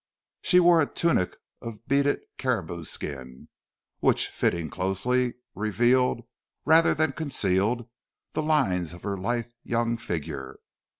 She wore a tunic of beaded caribou skin, which fitting closely revealed rather than concealed the lines of her lithe young figure.